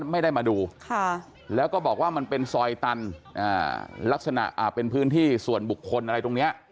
ไม่ได้มาดูแล้วก็บอกว่ามันเป็นซอยตันลักษณะเป็นพื้นที่ส่วนบุคคลอะไรตรงนี้